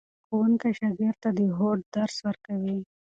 ښوونکی شاګرد ته د هوډ درس ورکوي.